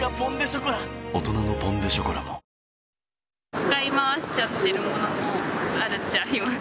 使い回しちゃっているものもあるっちゃあります。